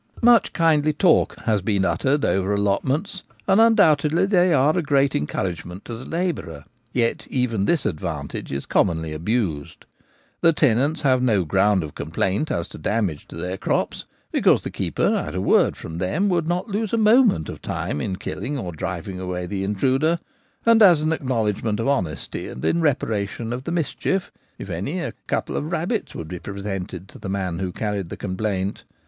Much kindly talk has been uttered over allot ments, and undoubtedly they are a great encourage ment to the labourer ; yet even this advantage is com monly abused. The tenants have no ground of complaint as to damage to their crops, because the keeper, at a word from them, would lose not a moment of time in killing or driving away the intruder ; and as an acknowledgment of honesty and in reparation of the mischief, if any, a couple of rabbits would be presented to the man who carried the complaint.